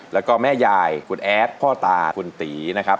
แล้วก็แม่ยายคุณแอดพ่อตาคุณตีนะครับ